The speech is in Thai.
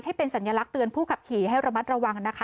เป็นสัญลักษณ์เตือนผู้ขับขี่ให้ระมัดระวังนะคะ